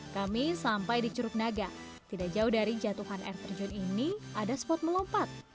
kami sampai di curug naga tidak jauh dari jatuhan air terjun ini ada spot melompat